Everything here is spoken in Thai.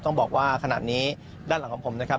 ต้องบอกว่าขนาดนี้ด้านหลังของผมนะครับ